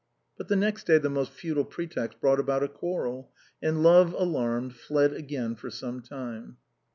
But the next day the most futile pretext brought about a quarrel, and love alarmed fled again for some time.